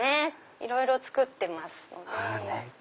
いろいろ作ってますので。